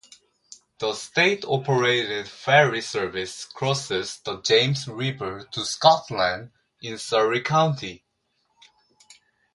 The state-operated ferry service crosses the James River to Scotland in Surry County.